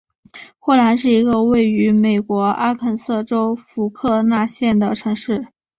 霍兰是一个位于美国阿肯色州福克纳县的城市。